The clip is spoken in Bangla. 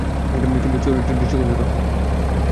কিন্তু চরিত্রের দৃষ্টিকোণ ছোট।